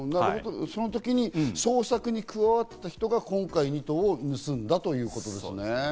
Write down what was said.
その時に捜索に加わった人が今回、２頭を盗んだということですね。